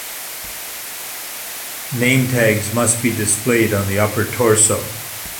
Name tags must be displayed on the upper torso.